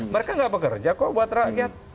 mereka nggak bekerja kok buat rakyat